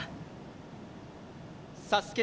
ＳＡＳＵＫＥ